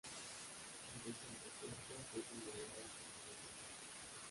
El resto de su cuerpo fue trasladado a su ciudad natal.